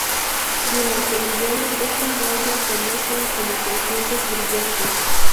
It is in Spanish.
Durante el vuelo, estas rayas se muestran como crecientes brillantes.